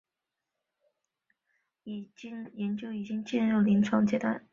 配合博莱霉素和顺铂使用电脉冲化疗治疗皮内和皮下肿瘤的研究已经进入临床阶段。